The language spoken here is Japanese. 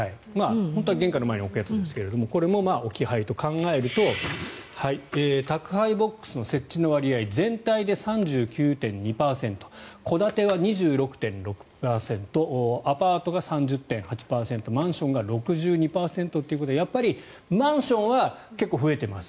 本当は玄関の前に置くやつですがこれも置き配と考えると宅配ボックスの設置の割合全体で３９．２％戸建ては２６．６％アパートが３０．８％マンションが６２％ということでやっぱりマンションは結構増えています。